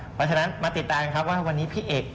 เพราะฉะนั้นมาติดตามว่าวันนี้พี่เอก